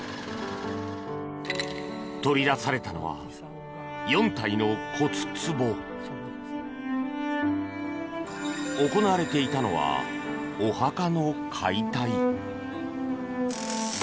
取り出されたのは４体の骨つぼ。行われていたのはお墓の解体。